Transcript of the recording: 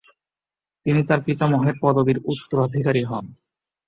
তিনি তার পিতামহের পদবীর উত্তরাধিকারী হন।